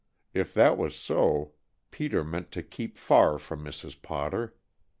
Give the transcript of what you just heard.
If that was so Peter meant to keep far from Mrs. Potter!